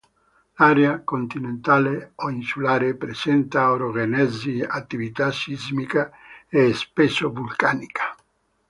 L'area continentale o insulare presenta orogenesi, attività sismica e spesso vulcanica.